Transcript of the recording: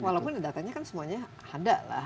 walaupun datanya kan semuanya ada lah